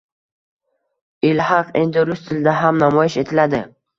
Ilhaq endi rus tilida ham namoyish etiladi